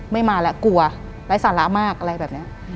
ไม่มาแล้วกลัวไร้สาระมากอะไรแบบนี้